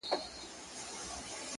بابولاره وروره راسه تې لار باسه _